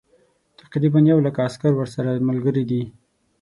تقریبا یو لک عسکر ورسره ملګري دي.